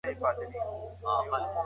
شخړې او جنجالونه ماشومان ویروي.